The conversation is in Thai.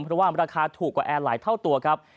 เพราะว่าราคาถูกกว่าแอร์หลายเท่าตัวครับ